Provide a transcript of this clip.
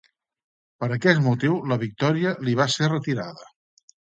Per aquest motiu la victòria li va ser retirada.